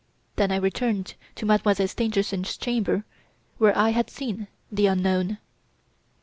Then I returned to Mademoiselle Stangerson's chamber where I had seen the unknown.